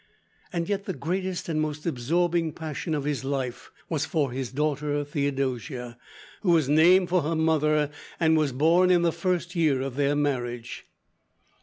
Yet the greatest and most absorbing passion of his life was for his daughter, Theodosia, who was named for her mother and was born in the first year of their marriage.